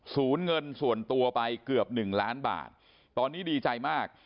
เงินส่วนตัวไปเกือบหนึ่งล้านบาทตอนนี้ดีใจมาก